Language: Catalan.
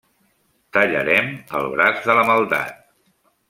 Tallarem el braç de la maldat.